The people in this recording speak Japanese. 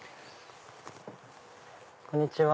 こんにちは。